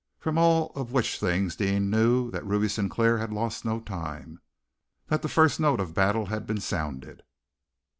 From all of which things Deane knew that Ruby Sinclair had lost no time, that the first note of battle had been sounded!